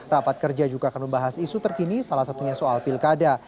rapat kerja juga akan membahas isu terkini salah satunya soal pilkada